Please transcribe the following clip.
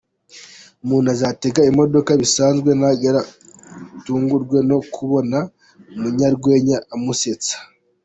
Umuntu azatega imodoka bisanzwe nageramo atungurwe no kubona umunyarwenya amusetsa.